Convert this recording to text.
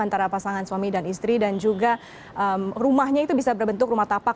antara pasangan suami dan istri dan juga rumahnya itu bisa berbentuk rumah tapak